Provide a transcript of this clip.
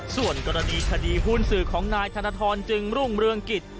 ส่วนกรณีคดีหุ้นสื่อของนายธนทรจึงรุ่งเรืองกิจ